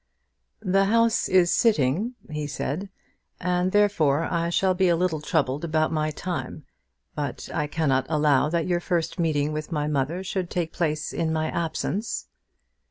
"The House is sitting," he said, "and therefore I shall be a little troubled about my time; but I cannot allow that your first meeting with my mother should take place in my absence."